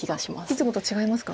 いつもと違いますか？